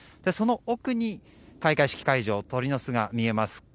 その奥に開会式会場鳥の巣が見えます。